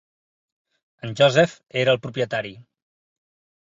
En Joseph era el propietari.